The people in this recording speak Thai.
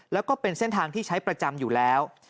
แล้วก็เป็นเส้นทางที่ใช้ประจำอยู่แล้ว